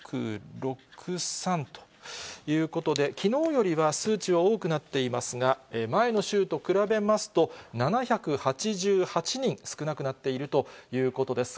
３６６３ということで、きのうよりは数値は多くなっていますが、前の週と比べますと、７８８人少なくなっているということです。